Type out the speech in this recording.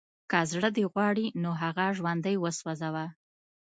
که زړه دې غواړي نو هغه ژوندی وسوځوه